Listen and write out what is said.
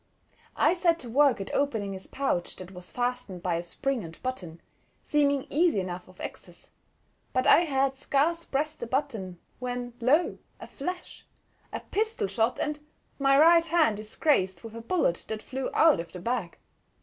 I set to work at opening his pouch, that was fastened by a spring and button, seeming easy enough of access. But I had scarce pressed the button when lo! a flash, a pistol shot, and my right hand is grazed with a bullet that flew out of the bag.